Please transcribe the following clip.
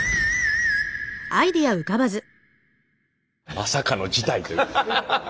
まさかの事態ということで。